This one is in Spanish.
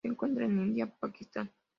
Se encuentra en India y Pakistán.